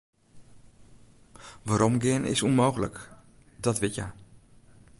Weromgean is ûnmooglik, dat wit hja.